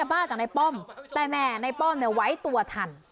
แดนแม่ในป้อมไหวตัวทัน